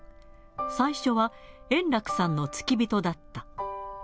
最初は圓楽さんの付き人だった。